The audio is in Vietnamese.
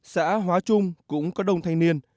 xã hóa trung cũng có đông thanh niên